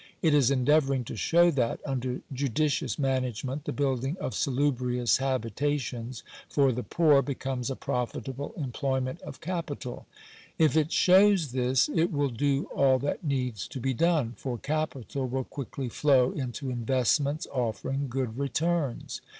It is endeavouring to show that, under judicious management, the building of salubrious habita tions for the poor becomes a profitable employment of capital. If it shows this, it will do all that needs to be done; for capital will quickly flow into investments offering good returns.